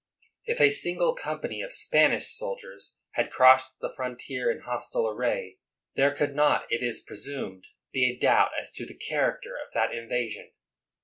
If a single company of Spanish soldiers had crossed the frontier in hostile array, there could not, it is presumed, be a doubt as to the charac ter of that invasion.